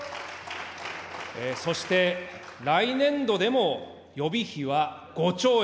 そして、来年度でも予備費は５兆円。